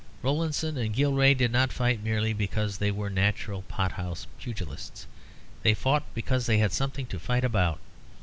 Rowlandson and Gilray did not fight merely because they were naturally pothouse pugilists; they fought because they had something to fight about.